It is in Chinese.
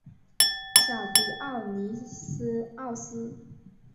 小狄奥尼西奥斯。